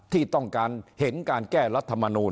ที่ต้องการเห็นการแก้รัฐมนูล